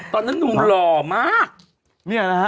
ตอนนั้นหนุ่มหล่อมาก